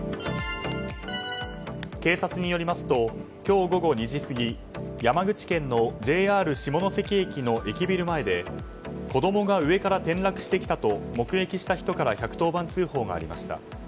警察によりますと今日午後２時過ぎ山口県のＪＲ下関駅の駅ビル前で子供が上から転落してきたと目撃した人から１１０番通報がありました。